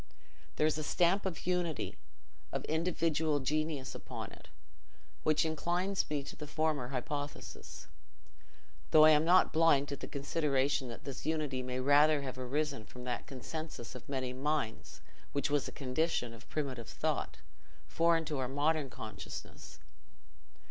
There is a stamp of unity, of individual genius upon it, which inclines me to the former hypothesis, though I am not blind to the consideration that this unity may rather have arisen from that consensus of many minds which was a condition of primitive thought, foreign to our modern consciousness.